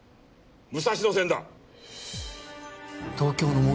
武蔵野線？